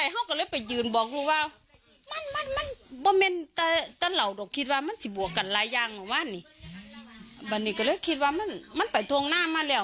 หรือคิดว่ามันไปทวงหน้ามาแล้ว